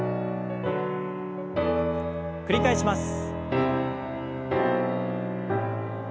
繰り返します。